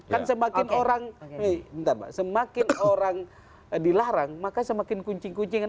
kan semakin orang dilarang maka semakin kuncing kuncingan